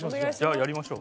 やりましょう。